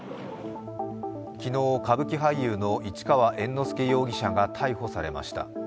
昨日、歌舞伎俳優の市川猿之助容疑者が逮捕されました。